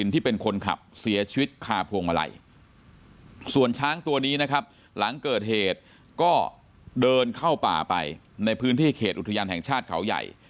ตัวนี้นะครับหลังเกิดเหตุก็เดินเข้าป่าไปในพื้นที่เขตอุทยานแห่งชาติเขาใหญ่